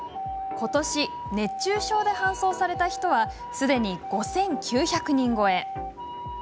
ことし、熱中症で搬送された人はすでに５９００人超え。